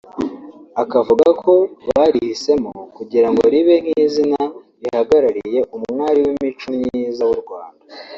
Akavuga ko barihisemo kugira ngo ribe nk’izina rihagarariye umwali w’imico myiza w’u Rwanda